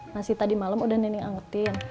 nasi tadi malem udah nenek angetin